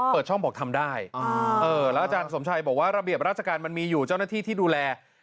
เปิดช่องบอกทำได้แล้วอาจารย์สมชัยบอกว่าระเบียบราชการมันมีอยู่เจ้าหน้าที่ที่ดูแล